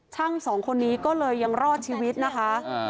สองคนนี้ก็เลยยังรอดชีวิตนะคะ